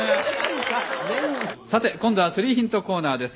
さて今度は３ヒントコーナーです。